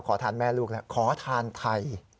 ขอทานแม่ลูกแล้วขอทานไทย